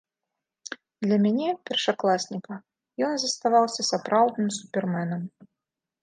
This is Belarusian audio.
Для мяне, першакласніка, ён заставаўся сапраўдным суперменам.